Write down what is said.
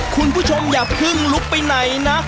คุณผู้ชมอย่าเพิ่งลุกไปไหนนะ